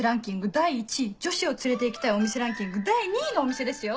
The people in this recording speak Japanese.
第１位女子を連れて行きたいお店ランキング第２位のお店ですよ。